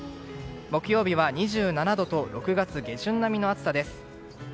木曜日は２７度と６月下旬並みの暑さです。